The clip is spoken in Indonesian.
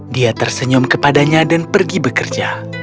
dia tersenyum kepadanya dan pergi bekerja